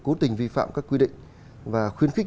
cố tình vi phạm các quy định và khuyến khích